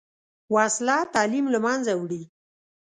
وسله تعلیم له منځه وړي